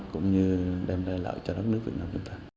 cũng như đem lợi cho đất nước việt nam